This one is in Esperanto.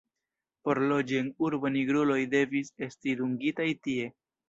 Por loĝi en urbo, nigruloj devis esti dungitaj tie.